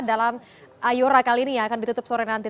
dalam iora kali ini ya akan ditutup sore nanti